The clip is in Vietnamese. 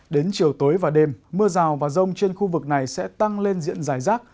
đến chiều tối và đêm mưa rào và rông trên khu vực này sẽ tăng lên diện dài rác